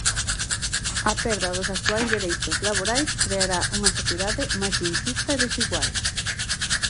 A perda dos actuais dereitos laborais creará unha sociedade máis inxusta e desigual.